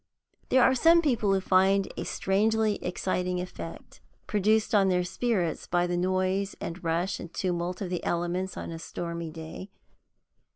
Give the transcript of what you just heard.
There are some people who find a strangely exciting effect produced on their spirits by the noise, and rush, and tumult of the elements on a stormy day.